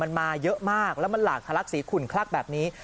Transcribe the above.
มันมาเยอะมากแล้วมันหลากทะลักสีขุนคลักแบบนี้